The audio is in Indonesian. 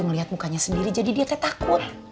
ngeliat mukanya sendiri jadi dia teh takut